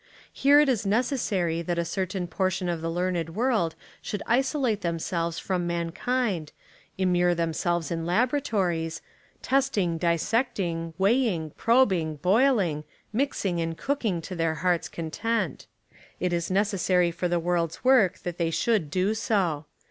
Here it is necessary that a certain portion of the learned world should isolate themselves from mankind, immure themselves in laboratories, 82 Literature and Education in America testing, dissecting, weighing, probing, boiling, mixing, and cooking to their heart's content. It is necessary for the world's work that they should do so.